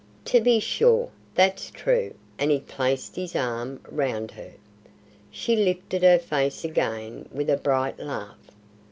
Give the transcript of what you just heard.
"To be sure, that's true," and he placed his arm round her. She lifted her face again with a bright laugh.